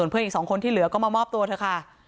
เพื่อนอีก๒คนที่เหลือก็มามอบตัวเถอะค่ะ